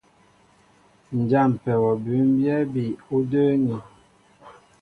Ǹ jâmpɛ wɔ bʉ́mbyɛ́ bi ú də́ə́ŋí.